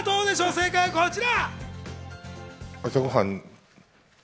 正解こちら。